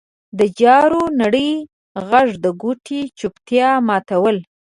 د جارو نري غږ د کوټې چوپتیا ماتوله.